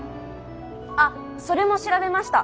あっそれも調べました。